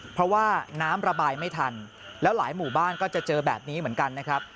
เพราะว่าน้ำระบายไม่ทันแล้วหลายหมู่บ้านก็จะเจอแบบนี้เหมือนกันนะครับ